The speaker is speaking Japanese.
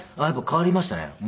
やっぱ変わりましたね。